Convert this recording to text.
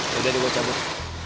udah jadi gue cabut